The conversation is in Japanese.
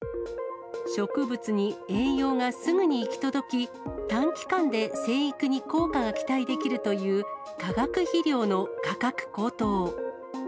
植物に栄養がすぐに行き届き、短期間で生育に効果が期待できるという化学肥料の価格高騰。